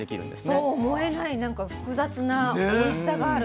そう思えないなんか複雑なおいしさがある。